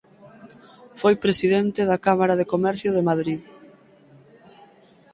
Foi presidente da Cámara de Comercio de Madrid.